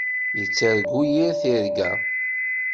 Yettargu yir tirga.